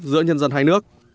giữa nhân dân hai nước